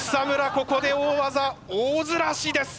ここで大技大ずらしです。